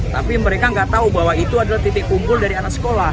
tapi mereka nggak tahu bahwa itu adalah titik kumpul dari anak sekolah